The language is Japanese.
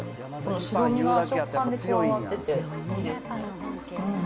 白身が食感に加わってていいですね。